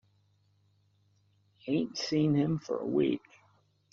I ain't seen him for a week.